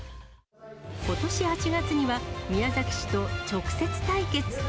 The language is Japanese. ことし８月には、宮崎市と直接対決。